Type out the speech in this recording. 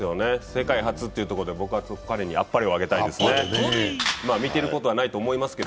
世界初というところで僕は彼にあっぱれをあげたいと思いますね。